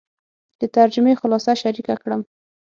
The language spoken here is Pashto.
د ترجمې خلاصه شریکه کړم.